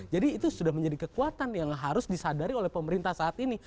jadi itu sudah menjadi kekuatan yang harus disadari oleh pemerintah saat ini